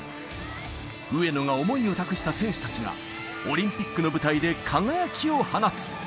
上野が思いを託した選手たちが、オリンピックの舞台で輝きを放つ。